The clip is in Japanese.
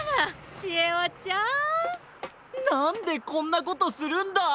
なんでこんなことするんだ！？